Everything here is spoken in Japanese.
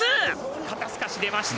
肩透かし出ました！